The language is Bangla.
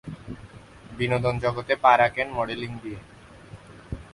বিনোদন জগতে পা রাখেন মডেলিং দিয়ে।